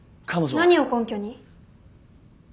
何を根拠に？